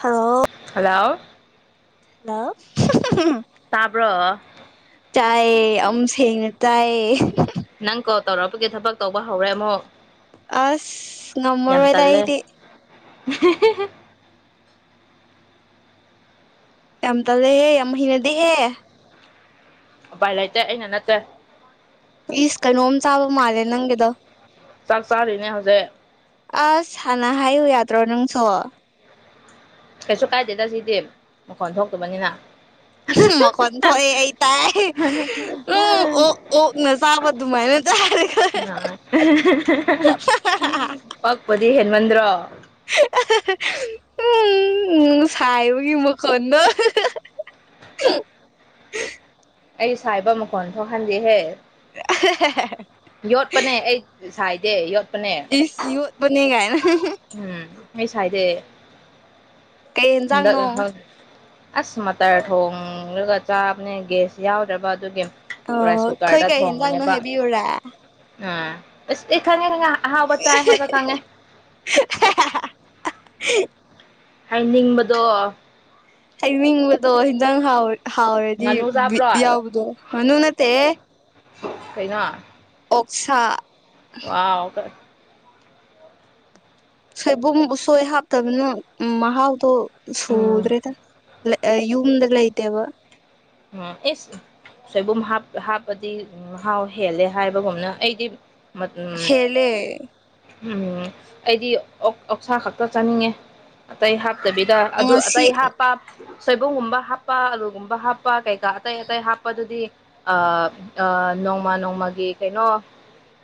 hello hello hello ꯍꯨꯝ ꯍꯨꯝ ꯍꯨꯝ ꯇꯥꯕ꯭ꯔꯣ ꯇꯥꯏꯌꯦ ꯑꯃ ꯁꯦꯡꯅ ꯇꯥꯏꯌꯦ ꯅꯪ ꯀꯣꯜ ꯇꯧꯔꯛꯄꯒꯤ ꯊꯕꯛ ꯇꯧꯕ ꯍꯧꯔꯦ ꯑꯃꯨꯛ ꯑꯁ ꯌꯥꯝ ꯉꯝꯃꯔꯣꯏꯗ ꯇꯜꯂꯦ ꯑꯩꯗꯤ [unintelligible] ꯌꯥꯝ ꯇꯜꯂꯦꯍꯦ ꯌꯥꯝ ꯍꯩꯅꯗꯦꯍꯦ ꯎꯄꯥꯏ ꯂꯩꯇꯦ ꯑꯩꯅ ꯅꯠꯇꯦ ꯏꯁ ꯀꯩꯅꯣꯝ ꯆꯥꯕ ꯃꯥꯜꯂꯦ ꯅꯪꯒꯤꯗꯣ ꯆꯥꯛ ꯆꯥꯔꯤꯅꯦ ꯍꯧꯖꯤꯛ ꯑꯁ ꯍꯥꯟꯅ ꯍꯥꯏꯌꯨ ꯌꯥꯗ꯭ꯔꯣ ꯅꯪꯁꯨ ꯀꯩꯁꯨ ꯀꯥꯏꯗꯦꯗ ꯁꯤꯗꯤ ꯃꯈꯣꯟ ꯊꯣꯛꯇꯕꯅꯤꯅ ꯍꯝ ꯃꯈꯣꯟ ꯊꯣꯛꯑꯦ ꯑꯩ ꯇꯥꯏ ꯎꯝ ꯑꯣ ꯑꯣꯛ ꯑꯣꯛꯅ ꯆꯥꯕ ꯑꯗꯨꯃꯥꯏꯅ ꯆꯥꯔꯒ [unintelligible] ꯄꯛꯄꯗꯤ ꯍꯦꯟꯃꯟꯗ꯭ꯔꯣ [unintelligible] ꯎꯝ ꯁꯥꯏꯕꯒꯤ ꯃꯈꯣꯟꯗꯣ ꯑꯩ ꯁꯥꯏꯕ ꯃꯈꯣꯟ ꯊꯣꯛꯍꯟꯗꯦꯍꯦ ꯌꯣꯠꯄꯅꯦ ꯑꯩ ꯁꯥꯏꯗꯦ ꯌꯣꯠꯄꯅꯦ ꯏꯁ ꯌꯣꯠꯄꯅꯦ ꯒꯥꯏꯅ ꯍꯨꯡ ꯍꯨꯡ ꯎꯝ ꯑꯩ ꯁꯥꯏꯗꯦ ꯀꯩ ꯍꯟꯗꯛ ꯌꯦꯟꯖꯥꯡꯅꯣ ꯅꯍꯛ ꯑꯁ ꯃꯠꯇꯔ ꯊꯣꯡꯔꯒ ꯆꯥꯕꯅꯦ ꯒꯦꯁ ꯌꯥꯎꯗ꯭ꯔꯕ ꯑꯗꯨꯒꯤ ꯑꯣ ꯔꯥꯏꯁ ꯑꯩꯈꯣꯏ ꯀꯨꯀꯔꯗ ꯀꯩ ꯌꯦꯟꯖꯥꯡꯅꯣ ꯊꯣꯡꯕꯅꯦꯕ ꯍꯥꯏꯕꯤꯌꯨꯔꯥ ꯎꯝ ꯑꯁ ꯑꯩ ꯈꯪꯉꯦ ꯈꯪꯉꯦ ꯑꯍꯥꯎꯕ ꯆꯥꯏ ꯍꯥꯏꯕ ꯈꯪꯉꯦ ꯍꯥꯏꯅꯤꯡꯕꯗꯣ ꯍꯥꯏꯅꯤꯡꯕꯗꯣ ꯍꯦꯟꯖꯥꯡ ꯍꯥꯎꯔ ꯍꯥꯎꯔꯗꯤ ꯉꯥꯅꯨ ꯕꯤꯠ ꯆꯥꯕ꯭ꯔꯣ ꯌꯥꯎꯕꯗꯣ ꯉꯥꯅꯨ ꯅꯠꯇꯦꯌꯦ ꯀꯩꯅꯣ ꯑꯣꯛꯁꯥ ꯋꯥꯎ ꯀ ꯁꯣꯏꯕꯨꯝ ꯎꯁꯣꯏ ꯍꯥꯞꯇꯕꯅ ꯃꯍꯥꯎꯗꯣ ꯎꯝ ꯁꯨꯗ꯭ꯔꯦꯗ ꯂꯛ ꯑ ꯌꯨꯝꯗ ꯂꯩꯇꯦꯕ ꯎꯝ ꯏꯁ ꯁꯣꯏꯕꯨꯝ ꯍꯥꯞ ꯍꯥꯞꯄꯗꯤ ꯃꯍꯥꯎ ꯍꯦꯜꯂꯦ ꯍꯥꯏꯕꯒꯨꯝꯅ ꯑꯩꯗꯤ ꯎꯝ ꯍꯦꯜꯂꯦ ꯎꯝ ꯑꯩꯗꯤ ꯑꯣꯛ ꯑꯣꯛꯁꯥ ꯈꯛꯇ ꯆꯥꯅꯤꯡꯉꯦ ꯑꯇꯩ ꯍꯥꯞꯇꯕꯤꯗ ꯑꯗꯨ ꯉꯁꯤ ꯑꯇꯩ ꯍꯥꯞꯄ ꯁꯣꯏꯕꯨꯝꯒꯨꯝꯕ ꯍꯥꯞꯄ ꯑꯂꯨꯒꯨꯝꯕ ꯍꯥꯞꯄ ꯀꯩꯀꯥ ꯑꯇꯩ ꯑꯇꯩ ꯍꯥꯞꯄ ꯑꯗꯨꯗꯤ ꯑꯥ ꯑꯥ ꯅꯣꯡꯃ ꯅꯣꯡꯃꯒꯤ ꯀꯩꯅꯣ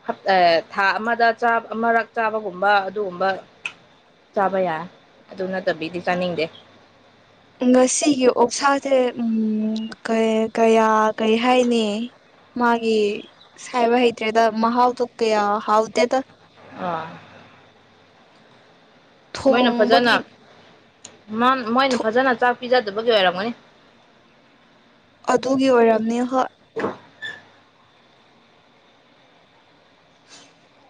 ꯍꯞ ꯑꯦ ꯊꯥ ꯑꯃꯗ ꯆꯥꯕ ꯑꯃꯔꯛ ꯆꯥꯕꯒꯨꯝꯕ ꯑꯗꯨꯒꯨꯝꯕ ꯆꯥꯕ ꯌꯥꯏ ꯑꯗꯨ ꯅꯠꯇꯕꯤꯗꯤ ꯆꯥꯅꯤꯡꯗꯦ ꯉꯁꯤꯒꯤ ꯑꯣꯛꯁꯥꯖꯦ ꯎꯝ ꯀꯩ ꯀꯌꯥ ꯀꯩ ꯍꯥꯏꯅꯤ ꯃꯥꯒꯤ ꯁꯥꯏꯕ ꯍꯩꯇ꯭ꯔꯦꯗ ꯃꯥꯍꯥꯥꯎꯗꯣ ꯀꯌꯥ ꯍꯥꯎꯇꯦꯗ ꯑꯥ ꯃꯣꯏꯅ ꯐꯖꯅ ꯊꯣꯡꯕꯒꯤ ꯃꯥꯝ ꯃꯣꯏꯅ ꯐꯖꯅ ꯆꯥꯛ ꯄꯤꯖꯗꯕꯒꯤ ꯑꯣꯏꯔꯝꯒꯅꯤ ꯑꯗꯨꯒꯤ ꯑꯣꯏꯔꯝꯅꯤ ꯍꯣꯏ [inaudible]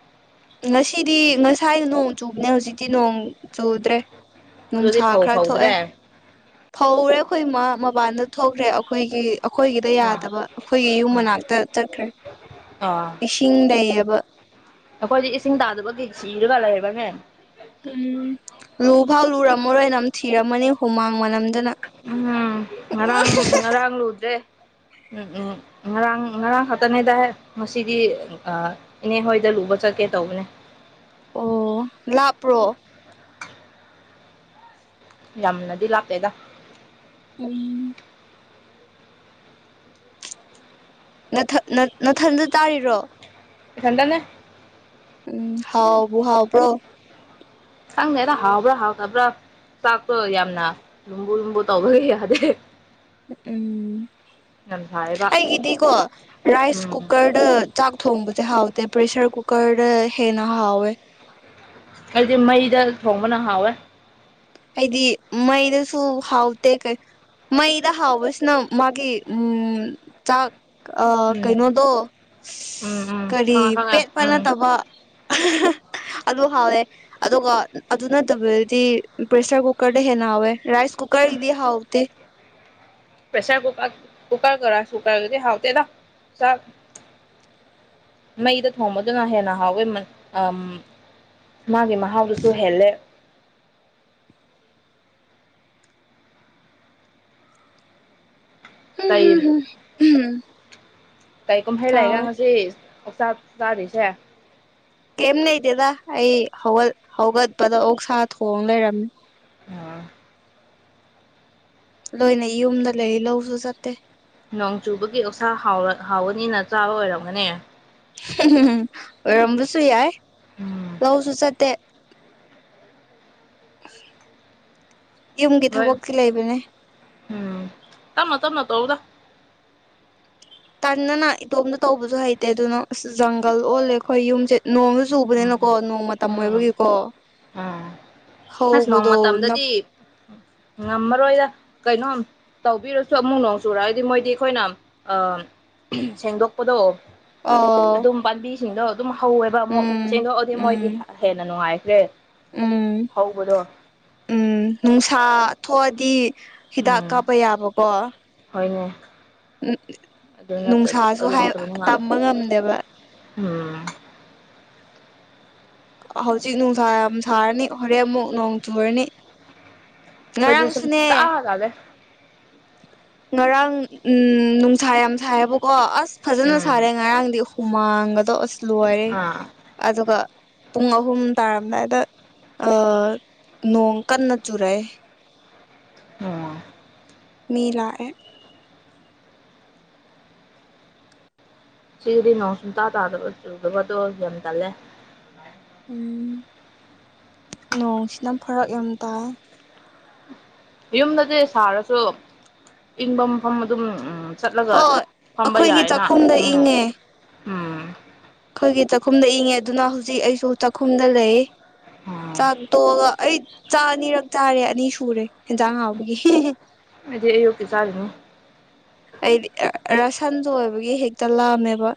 ꯉꯁꯤꯗꯤ ꯉꯁꯥꯏ ꯅꯣꯡ ꯆꯨꯕꯅꯦ ꯍꯧꯖꯤꯛꯇꯤ ꯅꯣꯡ ꯆꯨꯗ꯭ꯔꯦ ꯑꯗꯨꯗꯤ ꯅꯨꯡꯁꯥ ꯐꯧ ꯈꯔ ꯐꯧꯗ꯭ꯔꯦ ꯊꯣꯛꯑꯦ ꯐꯧꯔꯦ ꯑꯩꯈꯣꯏ ꯏꯃ ꯃꯕꯥꯥꯟꯗ ꯊꯣꯛꯈ꯭ꯔꯦ ꯑꯩꯈꯣꯏꯒꯤ ꯑꯩꯈꯣꯏꯒꯤꯗ ꯑꯥ ꯌꯥꯗꯕ ꯑꯩꯈꯣꯏꯒꯤ ꯌꯨꯝ ꯑꯥ ꯃꯅꯥꯛꯇ ꯆꯠꯈ꯭ꯔꯦ ꯑꯥ ꯏꯁꯤꯡ ꯂꯩꯌꯦꯕ ꯑꯩꯈꯣꯏꯗꯤ ꯏꯁꯤꯡ ꯇꯥꯗꯕꯒꯤ ꯁꯤꯔꯒ ꯂꯩꯔꯕ꯭ꯔꯅꯦ ꯎꯝ ꯂꯨ ꯐꯥꯎ ꯂꯨꯔꯝꯃꯔꯣꯏ ꯅꯝ ꯊꯤꯔꯝꯃꯅꯤ ꯍꯨꯃꯥꯡ ꯃꯅꯝꯗꯅ ꯎꯝ ꯉꯔꯥꯡ ꯉꯔꯥꯡꯥꯡ ꯂꯨꯗꯦ ꯎꯝ ꯎꯝ ꯉꯔꯥꯡ ꯉꯔꯥꯡ ꯈꯥꯛꯛꯇꯅꯦꯗ ꯉꯁꯤꯗꯤ ꯏꯅꯦ ꯍꯣꯏꯗ ꯂꯨꯕ ꯆꯠꯀꯦ ꯇꯧꯕꯅꯦ ꯑꯣ ꯂꯥꯄ꯭ꯔꯣ ꯌꯥꯝꯅꯗꯤ ꯂꯥꯞꯇꯦꯗ ꯎꯝ ꯅꯅꯥꯊꯟꯗ ꯇꯥꯔꯤꯔꯣ ꯊꯗꯟꯅ ꯎꯝ ꯍꯥꯎꯕꯨꯍꯥꯎ ꯄ꯭ꯔꯣ ꯆꯪꯗ ꯍꯗ ꯍꯥꯎꯕ꯭ꯔꯥ ꯍꯥꯎꯇꯕ꯭ꯔꯥ ꯆꯥꯛꯇꯣ ꯌꯥꯝꯅ ꯂꯨꯝꯕꯨ ꯂꯨꯝꯕꯨ ꯇꯧꯕꯒ ꯌꯥꯗꯦ ꯎꯝ ꯌꯥꯝ ꯁꯥꯏꯌꯦꯕ ꯑꯩꯒꯤꯗꯤꯀꯣ ꯔꯥꯏꯁ ꯎꯝ ꯀꯨꯀꯔꯗ ꯊꯣꯡꯕꯁꯦ ꯍꯥꯎꯗꯦ ꯄ꯭ꯔꯦꯁꯔ ꯀꯨꯀꯔ ꯍꯦꯟꯅ ꯍꯥꯎꯋꯦ ꯍꯥꯏꯗꯤ ꯃꯩꯗ ꯊꯣꯡꯕꯅ ꯍꯥꯎꯋꯦ ꯍꯥꯏꯗꯤ ꯃꯩꯗꯁꯨ ꯍꯥꯎꯇ ꯀꯩ ꯃꯩꯗ ꯍꯥꯎꯕꯁꯤꯅ ꯃꯥꯒꯤ ꯆꯥꯛ ꯑ ꯎꯝ ꯀꯩꯅꯣꯗꯣ ꯎꯝ ꯎꯝ ꯀꯔꯤ ꯈꯪꯉꯦ ꯈꯪꯉꯦ ꯄꯦꯠ ꯐ ꯎꯝ ꯅꯠꯇꯕ ꯑꯗꯨ ꯍꯥꯎꯋꯦ ꯑꯗꯨꯒ ꯑꯗꯨ ꯅꯠꯇꯕꯗꯗꯤ ꯄꯦꯁꯔ ꯀꯨꯀꯔꯦ ꯅꯥꯎ ꯔꯥꯏꯁ ꯀꯨꯀꯔ ꯏꯗꯤ ꯍꯥꯥꯎꯇ ꯄꯦꯁꯔ ꯀꯨꯀ ꯀꯨꯀ ꯀꯨꯔꯒ ꯍꯥꯎꯗꯗꯥꯛ ꯆ ꯃꯩꯗ ꯊꯣꯡꯕꯗꯨꯅ ꯍꯦꯟꯅ ꯍꯥꯎꯋꯦ ꯃꯥꯒꯤ ꯃꯍꯥꯎꯗꯨꯁꯨ ꯍꯦꯜꯂꯦ ꯍꯝ ꯀꯩ ꯍꯝ ꯎꯝ ꯀꯩ ꯀꯨꯝꯍꯩ ꯂꯩꯒ ꯉꯁꯤ ꯀꯛꯆꯥꯛ ꯆꯥꯗ꯭ꯣꯏꯁꯦ ꯀꯩꯝ ꯂꯩꯇꯦꯗ ꯑꯩ ꯍꯧ ꯍꯧꯒꯠꯄꯗ ꯑꯣꯛ ꯁꯥ ꯊꯣꯡ ꯂꯩꯔꯝꯃꯦ ꯑ ꯂꯣꯏꯅ ꯌꯨꯝꯗ ꯂꯩ ꯂꯧꯁꯨ ꯆꯠꯇꯦ ꯅꯣꯡ ꯆꯨꯕꯒꯤ ꯑꯣꯁꯥ ꯍꯥꯎꯒꯅꯤꯅ ꯆꯥꯕ ꯑꯣꯏꯔꯝꯒꯅꯦ ꯑꯣꯏꯔꯝꯕꯁꯨ ꯌꯥꯏ ꯎꯝ ꯂꯧꯁꯨ ꯆꯠꯇꯦ ꯌꯨꯝꯒꯤ ꯍꯣꯏ ꯊꯕꯛꯇꯤ ꯂꯩꯕꯅꯦ ꯎꯝ ꯇꯃ ꯇꯝꯅ ꯇꯧꯕꯗ ꯇꯟꯅꯅ ꯏꯇꯣꯝꯇ ꯇꯧꯕꯁꯨ ꯍꯩꯇꯦ ꯑꯗꯨꯅ ꯑꯁ ꯖꯪꯒꯜ ꯑꯣꯜꯂꯦ ꯑꯩꯈꯣꯏ ꯌꯨꯝꯁꯦ ꯅꯣꯡꯁꯨ ꯆꯨꯕꯅꯤꯅꯀꯣ ꯎꯝ ꯅꯣꯡ ꯃꯇꯝ ꯎꯝ ꯑꯣꯏꯕꯒꯤꯀꯣ ꯎꯝ ꯍꯗꯣ ꯅ ꯉꯃꯔ ꯑꯣꯏꯣꯏꯗ ꯀꯩꯅꯩꯅꯣ ꯇꯧꯕꯤꯔꯁꯨ ꯑꯃꯨꯛ ꯅꯣꯡ ꯆꯨꯔ ꯍꯥꯏꯗꯤ ꯃꯣꯏꯗꯤ ꯑꯩꯈꯣꯏꯅ ꯁꯦꯡꯗꯣꯛꯄꯗꯣ ꯑ ꯑꯗꯨꯝ ꯄꯥꯝꯕꯤꯁꯤꯡꯗꯣ ꯑꯗꯨꯝ ꯍꯧꯋꯦꯕ ꯑꯃꯨꯛ ꯎꯝ ꯁꯦꯡꯗꯣꯛꯑꯗꯤ ꯃꯣꯏꯒꯤ ꯎꯝ ꯍꯦꯟꯅ ꯅꯨꯡꯉꯥꯏꯈ꯭ꯔꯦ ꯎꯝ ꯍꯧꯕꯗꯣ ꯎꯝ ꯅꯨꯡꯁꯥ ꯊꯣꯛꯑꯗꯤ ꯍꯤꯗꯥꯛ ꯎꯝ ꯀꯥꯞꯄ ꯌꯥꯕꯀꯣ ꯍꯣꯏꯅꯦ ꯑꯗꯨ ꯅꯠꯇꯕ ꯅꯨꯡꯁꯥꯁꯨ ꯑꯗꯨ ꯅꯠꯇꯕꯅꯤꯅ ꯇꯝꯕ ꯉꯝꯗꯦꯕ ꯎꯝ ꯍꯧꯖꯤꯛ ꯅꯨꯡꯁꯥ ꯌꯥꯝ ꯁꯥꯔꯅꯤ ꯍꯣꯔꯦꯟꯃꯨꯛ ꯅꯣꯡ ꯆꯨꯔꯅꯤ ꯉꯔꯥꯡ ꯑꯩꯈꯣꯏꯗꯤ ꯁꯨꯝ ꯁꯅꯦ [unintelligible] ꯉꯔꯥꯡ ꯎꯝ ꯅꯨꯡꯁꯥ ꯌꯥꯝ ꯁꯥꯏꯌꯦꯕꯀꯣ ꯑꯁ ꯐꯖꯅ ꯎꯝ ꯁꯥꯔꯦ ꯉꯔꯥꯡꯗꯤ ꯍꯨꯃꯥꯡꯒꯗꯣ ꯑꯁ ꯂꯣꯏꯔꯦ ꯑꯥ ꯑꯗꯨꯒ ꯄꯨꯡ ꯑꯍꯨꯝ ꯇꯥꯔꯝꯗꯥꯏꯗ ꯅꯣꯡ ꯀꯟꯅ ꯆꯨꯔꯦ ꯑꯣ ꯃꯤ ꯂꯥꯛꯑꯦ ꯁꯤꯒꯤꯗꯤ ꯅꯣꯡ ꯁꯨꯡꯇꯥ ꯇꯥꯗꯕ ꯆꯨꯗꯕꯗꯣ ꯌꯥꯝ ꯇꯜꯂꯦ ꯎꯝ ꯅꯣꯡꯁꯤꯅ ꯐꯔꯛ ꯌꯥꯝ ꯇꯥꯏ ꯌꯨꯝꯗꯗꯤ ꯁꯥꯔꯁꯨ ꯏꯪꯕ ꯃꯐꯝ ꯑꯗꯨꯝꯝ ꯆꯠꯂꯒ ꯍꯣꯏ ꯐꯝꯕ ꯑꯩꯈꯣꯏꯒꯤ ꯌꯥꯏꯅ ꯆꯥꯛꯈꯨꯝꯗ ꯎꯝ ꯏꯪꯉꯦ ꯎꯝ ꯑꯩꯈꯣꯏꯒꯤ ꯆꯥꯛꯈꯨꯝꯗ ꯏꯪꯉꯦ ꯑꯗꯨꯅ ꯍꯧꯖꯤꯛ ꯑꯩꯁꯨ ꯆꯥꯛꯈꯨꯝꯗ ꯂꯩ ꯑꯥ ꯆꯥꯛ ꯇꯣꯛꯑꯒ ꯑꯩ ꯆꯥ ꯑꯅꯤꯔꯛ ꯆꯥꯔꯦ ꯑꯅꯤ ꯁꯨꯔꯦ ꯌꯦꯟꯖꯥꯡ ꯍꯥꯎꯕꯒꯤ ꯑꯗꯨ ꯑꯣꯀꯦ ꯆꯔꯅ ꯑꯩꯗꯤ ꯔꯁꯟꯗꯣ ꯑꯣꯏꯕꯒꯤ ꯍꯦꯛꯇ ꯂꯥꯛꯑꯝꯃꯦꯕ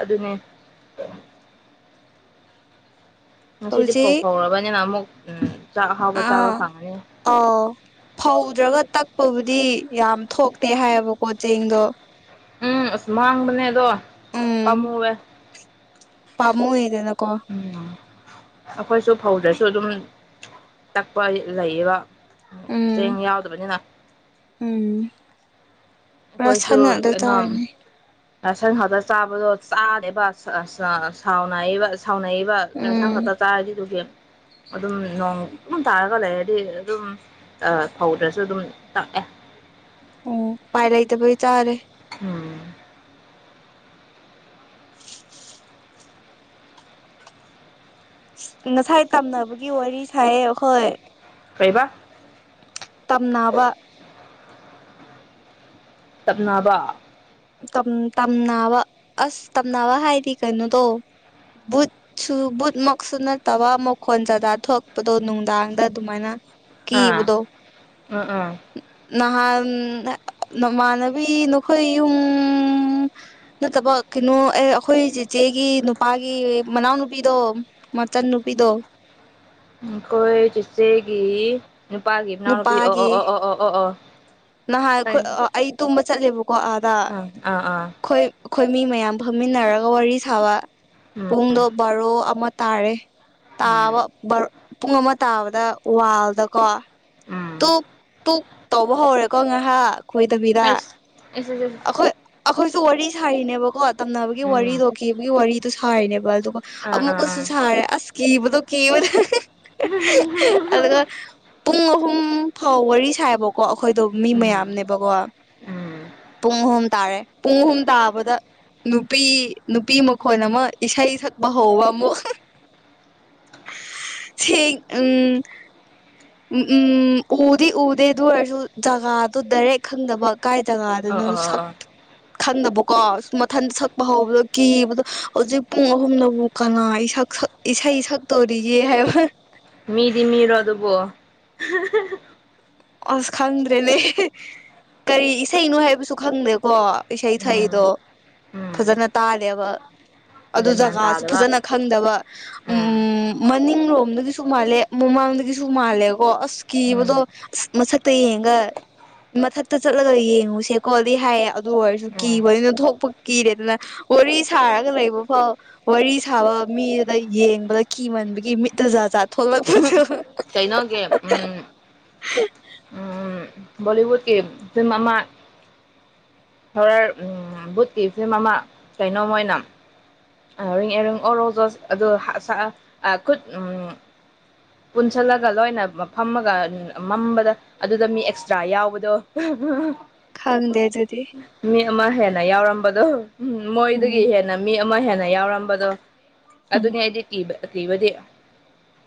ꯑꯗꯨ ꯑꯗꯨꯅꯦ ꯉꯁꯤꯗꯤ ꯐꯧ ꯍꯧꯖꯤꯛ ꯐꯧꯔꯕꯅꯤꯅ ꯑꯃꯨꯛ ꯆꯥꯛ ꯑꯍꯥꯎꯕ ꯆꯥꯕ ꯑꯥ ꯐꯪꯉꯅꯤ ꯑꯥꯎ ꯐꯧꯗ꯭ꯔꯒ ꯇꯛꯄꯕꯨꯗꯤ ꯌꯥꯝ ꯊꯣꯛꯇꯦ ꯍꯥꯏꯌꯦꯕꯀꯣ ꯆꯦꯡꯗꯣ ꯎꯝ ꯑꯁ ꯃꯥꯡꯕꯅꯦꯗꯣ ꯎꯝ ꯑꯄꯥꯃꯨꯕꯦ ꯄꯥꯝꯃꯨꯏꯗꯅꯀꯣ ꯎꯝ ꯑꯩꯈꯣꯏꯁꯨ ꯐꯧꯗꯁꯨ ꯑꯗꯨꯝ ꯇꯛꯄ ꯂꯩꯌꯦꯕ ꯆꯦꯡ ꯌꯥꯎꯗꯕꯅꯤꯅ ꯎꯝ ꯄꯨꯔꯥ ꯁꯥꯟꯅꯗ ꯆꯥꯔꯅꯦ ꯁꯟ ꯈꯗ ꯆꯥꯕꯗꯣ ꯆꯥꯗꯦꯕ ꯁꯥꯎꯅꯔꯤꯕ ꯁꯥꯎꯅꯩꯕ ꯆꯔꯁꯥꯡ ꯎꯝ ꯉꯥꯛꯛꯇ ꯆꯥꯔꯗꯤꯗꯨꯒꯦꯝ ꯑꯗꯨꯝ ꯅꯣꯡ ꯑꯗꯨ ꯇꯥꯔꯒ ꯂꯩꯔꯗꯤ ꯑꯗꯨꯝ ꯐꯧꯗ꯭ꯔꯁꯨ ꯑꯗꯨꯝ ꯇꯥꯛꯑꯦ ꯎꯝ ꯄꯥꯏꯔ ꯏꯗꯦ ꯄ ꯆꯥꯔꯦ ꯎꯝ ꯉꯁꯥꯏ ꯇꯝꯅꯕꯒꯤ ꯋꯥꯔꯤ ꯁꯥꯏꯌꯦ ꯑꯩꯈꯣꯏ ꯀꯩꯕꯥ ꯇꯝꯅꯕ ꯇꯞꯅꯕ ꯇꯝꯅꯕ ꯑꯁ ꯇꯝꯅꯕ ꯍꯥꯏꯗꯤ ꯀꯩꯅꯣꯗꯣ ꯕꯨꯠ ꯁꯨ ꯕꯨꯠꯃꯛꯁꯨ ꯅꯠꯇꯕ ꯃꯈꯣꯟ ꯖꯥꯖ ꯊꯣꯛꯄꯗꯣ ꯅꯨꯡꯗꯥꯡꯗ ꯑꯗꯨꯃꯥꯏꯅ ꯑꯥ ꯀꯕꯨꯕꯗꯣ ꯎꯝ ꯎꯝ ꯅꯍꯥꯟ ꯅꯃꯥꯟꯅꯕꯤ ꯅꯈꯣꯏ ꯌꯨꯝ ꯅꯠꯇꯕ ꯀꯩꯅꯣ ꯑꯦ ꯑꯩꯈꯣꯏ ꯆꯦꯆꯦꯒꯤ ꯅꯨꯄꯥꯒꯤ ꯃꯅꯥꯎꯅꯨꯄꯤꯗꯣ ꯃꯆꯟ ꯅꯨꯄꯤꯗꯣ ꯑꯩꯈꯣꯏ ꯆꯤꯆꯦꯒꯤ ꯅꯨꯄꯥꯒꯤ ꯏꯅꯥꯎꯅꯨꯄꯤ ꯑꯣ ꯅꯨꯄꯥꯒꯤ ꯑꯣ ꯑꯣ ꯑꯣ ꯑꯣ ꯑꯣ ꯑꯣ ꯅꯍꯥꯟ ꯑꯩꯈꯣꯏ ꯈꯪ ꯑꯩ ꯇꯨꯝꯕ ꯆꯠꯂꯦꯕꯀꯣ ꯑꯥꯗ ꯑꯥ ꯑꯥ ꯑꯥ ꯈꯣꯏ ꯑꯩꯈꯣꯏ ꯃꯤ ꯃꯌꯥꯝ ꯐꯝꯃꯤꯟꯅꯔꯒ ꯋꯥꯔꯤ ꯁꯥꯕ ꯎꯝ ꯄꯨꯡꯗꯣ ꯕꯥꯔꯣ ꯑꯃ ꯇꯥꯔꯦ ꯇꯥꯕ ꯎꯝ ꯄꯨꯡ ꯑꯃ ꯇꯥꯕꯗ ꯋꯥꯜꯗꯀꯣ ꯎꯝ ꯇ ꯇ ꯇꯧꯕ ꯍꯧꯔꯦꯀꯣ ꯉꯥꯏꯍꯥꯛ ꯈꯣꯏꯗꯕꯤꯗ ꯑꯩꯁ ꯑꯩꯁ ꯑꯩꯁ ꯑꯩꯈꯣꯏ ꯑꯩꯈꯣꯏꯁꯨ ꯋꯥꯔꯤ ꯁꯥꯏꯔꯤꯅꯦꯕꯀꯣ ꯇꯝꯅꯕꯒꯤ ꯎꯝ ꯋꯥꯔꯤꯗꯣ ꯀꯦꯕꯒꯤ ꯋꯥꯔꯤꯗꯣ ꯁꯥꯏꯔꯤꯅꯦꯕ ꯑꯗꯨꯒ ꯑ ꯑꯥ ꯑꯃꯨ ꯑꯥ ꯀꯁꯨ ꯑꯥ ꯁꯦ ꯑ ꯀꯤꯕꯗꯣ ꯀꯤꯕꯅꯦ ꯑꯗꯨꯒ ꯄꯨꯡ ꯄꯨꯝ ꯐꯥꯎ ꯋꯥꯔꯤ ꯁꯥꯏꯕꯀꯣ ꯑꯩꯈꯣꯏꯗꯣ ꯃꯤ ꯎꯝ ꯃꯌꯥꯝꯅꯦꯕꯀꯣ ꯎꯝ ꯄꯨꯡ ꯑꯍꯨꯝ ꯇꯥꯔꯦ ꯄꯨꯡ ꯑꯍꯨꯝ ꯇꯥꯕꯗ ꯅꯨꯄꯤ ꯅꯨꯄꯤ ꯃꯈꯣꯟ ꯑꯃ ꯏꯁꯩ ꯁꯛꯄ ꯍꯧꯕ ꯑꯃꯨꯛ ꯁꯤ ꯎꯝ ꯎꯝ ꯎꯗꯤ ꯎꯗꯦ ꯑꯗꯨ ꯑꯣꯏꯔꯁꯨ ꯖꯒꯥꯗꯨ ꯗꯔꯦ ꯈꯪꯗꯕ ꯀꯥꯏ ꯇꯒ ꯑꯗꯨ ꯑꯣ ꯅꯣ ꯑꯣ ꯑꯣ ꯁꯈꯠ ꯑꯣ ꯈꯟꯗꯕꯀꯣ ꯃꯊꯟꯇ ꯁꯛꯄ ꯍꯧꯕꯗꯣ ꯀꯤꯕꯗꯣ ꯍꯧꯖꯤꯛ ꯄꯨꯡ ꯑꯍꯨꯝꯅꯕꯨꯛ ꯀꯅꯥ ꯁꯛꯁꯛ ꯏꯁꯩ ꯁꯛ ꯇꯧꯔꯤꯌꯦ ꯍꯥꯏꯕ ꯃꯤꯗꯤ ꯃꯤꯔꯣ ꯑꯗꯨꯕꯣ ꯑꯁ ꯈꯪꯗ꯭ꯔꯦꯅꯦ ꯀꯔꯤ ꯏꯁꯩꯅꯣ ꯍꯥꯏꯕꯁꯨ ꯈꯪꯗꯦꯀꯣ ꯏꯁꯩ ꯁꯛꯏꯗꯣ ꯎꯝ ꯎꯝ ꯐꯖꯅ ꯇꯥꯗꯦꯕ ꯑꯗꯨ ꯒ꯭ꯌꯥꯟ ꯃꯥꯟ ꯖꯒꯥꯁꯨ ꯇꯥꯗꯕ ꯐꯖꯅ ꯈꯪꯗꯕ ꯎꯝ ꯃꯅꯤꯡꯂꯣꯝꯗꯒꯤꯁꯨ ꯃꯥꯜꯂꯦ ꯃꯃꯥꯡꯗꯒꯤꯁꯨ ꯃꯥꯜꯂꯦꯀꯣ ꯑꯁ ꯎꯝ ꯀꯤꯕꯗꯣ ꯃꯁꯛꯇ ꯌꯦꯡꯒ ꯃꯊꯛꯇ ꯆꯠꯂꯒ ꯌꯦꯡꯉꯨꯁꯦꯀꯣꯗꯤ ꯍꯥꯏꯌꯦ ꯑꯗꯨ ꯑꯣꯏꯔꯁꯨ ꯎꯝ ꯀꯤꯕꯅꯤꯅ ꯊꯣꯛꯄ ꯀꯤꯔꯦ ꯑꯗꯨꯅ ꯋꯥꯔꯤ ꯁꯥꯔꯒ ꯂꯩꯕ ꯐꯥꯎ ꯋꯥꯔꯤ ꯁꯥꯕ ꯃꯤꯗꯨꯗ ꯌꯦꯡꯕꯗ ꯀꯤꯃꯟꯕꯒꯤ ꯃꯤꯠꯇ ꯖꯥꯖꯥꯠ ꯊꯣꯛꯂꯛꯄꯁꯨ ꯀꯩꯅꯣꯒꯤ ꯎꯝ [unintelligible] ꯕꯣꯂꯤꯋꯨꯗ ꯀꯤ ꯊꯔ ꯕꯨꯠꯀꯤ ꯐꯤꯝ ꯑꯃ ꯀꯩꯅꯣ ꯃꯣꯏꯅ ꯔꯤ ꯑꯦꯔꯤꯡ ꯑꯣ ꯔꯣꯖꯣꯁ ꯑꯗꯣ ꯈꯨꯠ ꯄꯨꯟꯁꯤꯜꯂꯒ ꯂꯣꯏꯅ ꯐꯝꯃꯒ ꯃꯝꯕꯗ ꯑꯗꯨꯗ ꯃꯤ ꯑꯦꯛꯁꯇ꯭ꯔꯥ ꯌꯥꯎꯕꯗꯣ ꯈꯪꯗꯦ ꯑꯗꯨꯗꯤ ꯃꯤ ꯑꯃ ꯍꯦꯟꯅ ꯌꯥꯎꯔꯝꯕꯗꯣ ꯃꯣꯏꯗꯒꯤ ꯎꯝ ꯍꯦꯟꯅ ꯃꯤ ꯑꯃ ꯍꯦꯟꯅ ꯌꯥꯎꯔꯝꯕꯗꯣ ꯎꯝ ꯑꯗꯨꯅꯤ ꯑꯩꯗꯤ ꯀꯤꯕ ꯀꯤꯕꯗꯤ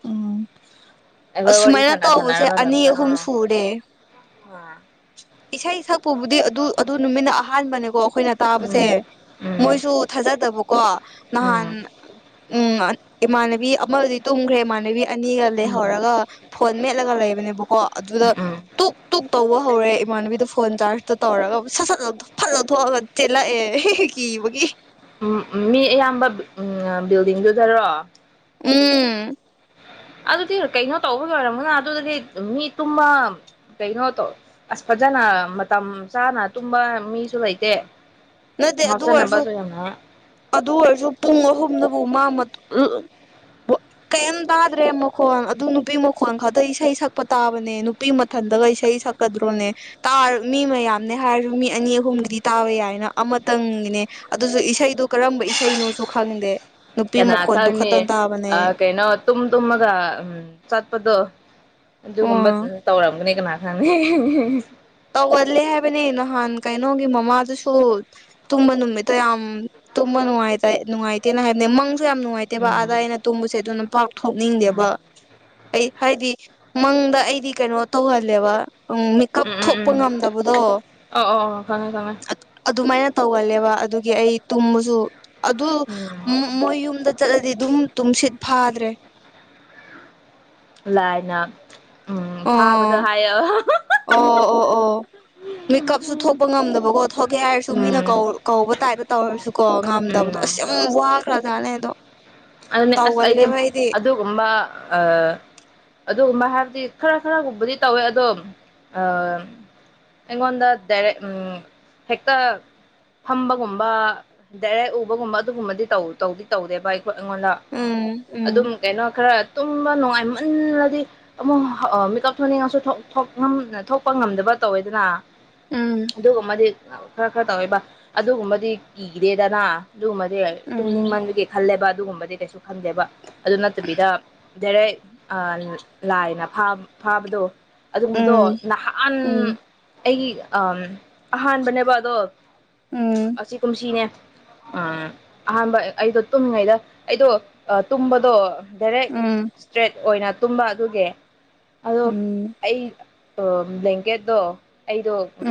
ꯎꯝ ꯑꯩꯈꯣꯏ ꯋꯥꯔꯤ ꯑꯁꯨꯃꯥꯏꯅ ꯁꯥꯟꯅ ꯇꯧꯕꯁꯦ ꯁꯥꯟꯅꯔꯒ ꯑꯅꯤ ꯅꯝꯇ ꯑꯍꯨꯝ ꯁꯨꯔꯦ [unintelligible] ꯏꯁꯩ ꯁꯛꯄꯨꯕꯨꯗꯤ ꯑꯗꯨ ꯑꯗꯨ ꯅꯨꯃꯤꯠꯅ ꯑꯍꯥꯟꯕꯅꯦꯀꯣ ꯑꯩꯈꯣꯏꯅ ꯇꯥꯕꯁꯦ ꯎꯝ ꯎꯝ ꯃꯣꯏꯁꯨ ꯊꯥꯖꯗꯕꯀꯣ ꯅꯍꯥꯟ ꯎꯝ ꯎꯝ ꯏꯃꯥꯟꯅꯕꯤ ꯑꯃꯗꯤꯗꯤ ꯇꯨꯝꯈ꯭ꯔꯦ ꯏꯃꯥꯟꯅꯕꯤ ꯑꯅꯤꯒ ꯎꯝ ꯂꯩꯍꯧꯔꯒ ꯐꯣꯟ ꯃꯦꯠꯂꯒ ꯂꯩꯕꯅꯦꯕꯀꯣ ꯑꯗꯨꯗ ꯎꯝ ꯎꯝ ꯇꯨꯛ ꯇꯨꯛ ꯇꯧꯕ ꯍꯧꯔꯦ ꯏꯃꯥꯟꯅꯕꯤꯗ ꯐꯣꯟ ꯆꯥꯔꯖꯇꯣ ꯇꯧꯔꯒ ꯁꯠ ꯁꯠ ꯐꯠꯂꯊ ꯊꯣꯛꯑꯒ ꯆꯦꯜꯂꯛꯑꯦ ꯀꯤꯕꯒꯤ ꯎꯝ ꯃꯤ ꯑꯌꯥꯝꯕ ꯎꯝ ꯕꯤꯜꯗꯤꯡꯗꯨꯗꯔꯣ ꯎꯝ ꯑꯗꯨꯗꯤ ꯀꯩꯅꯣ ꯇꯧꯕꯒꯤ ꯑꯣꯏꯔꯝꯃꯅ ꯑꯗꯨꯗꯗꯤ ꯃꯤ ꯇꯨꯝꯃ ꯀꯩꯅꯣꯇꯣ ꯑꯁ ꯐꯖꯅ ꯃꯇꯝ ꯆꯥꯅ ꯇꯨꯝꯕ ꯃꯤꯁꯨ ꯂꯩꯇꯦ ꯅꯠꯇꯦ ꯑꯗꯨ ꯑꯣꯏꯔꯁꯨ [unintelligible] ꯑꯗꯨ ꯑꯣꯏꯔꯁꯨ ꯄꯨꯡ ꯑꯍꯨꯝꯗꯕꯨ ꯃꯥ [unintelligible] ꯀꯩꯝ ꯇꯥꯗ꯭ꯔꯦ ꯃꯈꯣꯟ ꯑꯗꯨ ꯅꯨꯄꯤ ꯃꯈꯣꯟꯜ ꯈꯛꯇ ꯏꯁꯩ ꯁꯛꯄ ꯇꯥꯕꯅꯦ ꯅꯨꯄꯤ ꯃꯊꯟꯗꯒ ꯏꯁꯩ ꯁꯛꯄ ꯀꯗ꯭ꯔꯣꯅꯦ ꯃꯤ ꯃꯌꯥꯝꯅꯦ ꯍꯥꯏꯔꯁꯨ ꯃꯤ ꯑꯅꯤ ꯑꯍꯨꯝꯒꯤꯗꯤ ꯇꯥꯕ ꯌꯥꯏꯅ ꯑꯃꯇꯪꯅꯦ ꯑꯗꯨꯁꯨ ꯏꯁꯩꯗꯣ ꯀꯔꯝꯕ ꯏꯁꯩꯅꯣꯁꯨ ꯈꯪꯗꯦ ꯅꯨꯄꯤ ꯀꯅꯥ ꯃꯈꯣꯟꯗꯨ ꯈꯪꯅꯤ ꯈꯛꯇꯪ ꯇꯥꯕꯅꯦ ꯑ ꯀꯩꯅꯣ ꯇꯨꯝ ꯇꯨꯝꯃꯒ ꯆꯠꯄꯗꯣ ꯑꯗꯨꯒꯨꯝꯕ ꯑꯣ ꯇꯧꯔꯝꯒꯅꯤ ꯀꯅꯥ [unintelligible] ꯇꯧꯒꯜꯂꯦ ꯍꯥꯏꯕꯅꯦ ꯅꯍꯥꯟ ꯀꯩꯅꯣꯒꯤ ꯃꯃꯥꯗꯨꯁꯨ ꯇꯨꯝꯕ ꯅꯨꯃꯤ ꯌꯥꯝ ꯇꯨꯝ ꯅꯨꯡꯉꯥꯏꯇ ꯅꯨꯡꯉꯥꯏꯇꯦꯅ ꯍꯥꯏꯅꯦ ꯃꯪ ꯌꯥꯝ ꯅꯨꯡꯉꯥꯏꯇꯦꯕ ꯎꯝ ꯑꯥꯗ ꯑꯩꯅ ꯇꯨꯝꯕꯁꯦ ꯑꯗꯨꯅ ꯎꯝ ꯄꯥꯛꯊꯣꯛꯅꯤꯡꯗꯦꯕ ꯑꯩ ꯍꯥꯏꯗꯤ ꯃꯪꯗ ꯑꯩꯗꯤ ꯀꯩꯅꯣ ꯇꯧꯍꯜꯂꯦꯕ ꯎ ꯃꯤ ꯎꯝ ꯊꯣꯛꯄ ꯎꯝ ꯉꯝꯗꯕꯗꯣ ꯑꯣ ꯑꯣ ꯑꯣ ꯈꯪꯉꯦ ꯈꯪꯉꯦ ꯑꯗꯨꯃꯥꯏꯅ ꯇꯧꯒꯜꯂꯦꯕ ꯑꯗꯨꯒꯤ ꯑꯩ ꯇꯨꯝꯃꯁꯨ ꯑꯗꯨ ꯎꯝ ꯃꯣꯏ ꯌꯨꯝꯗ ꯆꯠꯂꯗꯤ ꯑꯗꯨꯝ ꯇꯨꯝꯁꯤꯠ ꯐꯥꯗ꯭ꯔꯦ ꯂꯥꯏꯅ ꯎꯝ ꯑ ꯐꯥꯕꯗꯣ ꯍꯥꯏꯌꯣ ꯑꯣ ꯑꯣ ꯑꯣ ꯃꯦꯀꯞꯁꯨ ꯊꯣꯛꯄ ꯉꯝꯗꯕꯀꯣ ꯊꯣꯛꯀꯦ ꯍꯥꯏꯔꯁꯨ ꯃꯤꯅ ꯀꯧ ꯎꯝ ꯀꯧꯕ ꯇꯥꯏꯗ ꯇꯧꯔꯁꯨꯀꯣ ꯎꯝ ꯉꯝꯗꯕꯗꯣ ꯑꯁ ꯌꯥꯝ ꯋꯥꯈ꯭ꯔꯖꯥꯠꯅꯦ ꯑꯗꯣ ꯑꯗꯨꯅꯦ ꯑꯁ ꯑꯩꯗꯤ ꯑꯗꯨꯒꯨꯝꯕ ꯑꯗꯨꯒꯨꯝꯕ ꯍꯥꯏꯕꯗꯤ ꯈꯔ ꯈꯔꯒꯨꯝꯕꯗꯤ ꯇꯧꯋꯦ ꯑꯗꯣ ꯑꯝ ꯑꯩꯉꯣꯟꯗ ꯗꯔꯦꯛ ꯎꯝ ꯍꯦꯛꯇ ꯐꯝꯕꯒꯨꯝꯕ ꯗꯥꯏꯔꯦꯛ ꯎꯕꯒꯨꯝꯕ ꯑꯗꯨꯒꯨꯝꯕꯗꯤ ꯇꯧꯗꯤ ꯇꯧꯗꯦꯕ ꯑꯩ ꯑꯩꯉꯣꯟꯗ ꯎꯝ ꯎꯝ ꯑꯗꯨꯝ ꯀꯩꯅꯣ ꯈꯔ ꯇꯨꯝꯕ ꯅꯨꯡꯉꯥꯏ ꯃꯨꯟꯅꯗꯤ ꯑꯃꯨꯛ ꯃꯤꯀꯞ ꯊ ꯊꯣꯛꯅꯤꯡꯉꯁꯨ ꯊꯣꯛꯄ ꯉꯝꯗꯕ ꯇꯧꯋꯦꯗꯅ ꯎꯝ ꯑꯗꯨꯒꯨꯝꯕꯗꯤ ꯈꯔ ꯈꯔ ꯇꯧꯋꯦꯕ ꯑꯗꯨꯒꯨꯝꯕꯗꯤ ꯀꯤꯗꯦꯗꯅ ꯑꯗꯨꯒꯨꯝꯕꯗꯤ ꯎꯝ ꯇꯨꯝꯅꯤꯡꯃꯟꯕꯒꯤ ꯈꯜꯂꯦꯕ ꯑꯗꯨꯒꯨꯝꯕꯗꯤ ꯀꯩꯁꯨ ꯈꯟꯗꯦꯕ ꯑꯗꯨ ꯅꯠꯇꯕꯤꯗ ꯦꯔꯦꯛ ꯑ ꯂꯥꯏꯅ ꯐꯥꯕꯗꯣ ꯑꯗꯨꯒꯨꯝꯕꯗꯣ ꯅꯍꯥꯟ ꯎꯝ ꯑꯩꯒꯤ ꯑ ꯑꯍꯥꯟꯕꯅꯦꯕ ꯑꯗꯣ ꯎꯝ ꯑꯁꯤ ꯀꯨꯝꯁꯤꯅꯦ ꯎꯝ ꯑꯍꯥꯟꯕ ꯑꯩꯗꯣ ꯇꯨꯝꯃꯤꯉꯩꯗ ꯑꯩꯗꯣ ꯇꯨꯝꯕꯗꯣ ꯗꯥꯏꯔꯦꯛ ꯎꯝ ꯎꯝ ꯏꯁꯇ꯭ꯔꯦꯠ ꯑꯣꯏꯅ ꯇꯨꯝꯕ ꯑꯗꯨꯒꯤ ꯑꯗꯣ ꯎꯝ ꯑꯩ ꯕ꯭ꯂꯦꯡꯀꯦꯠꯇꯣ ꯑꯩꯗꯣ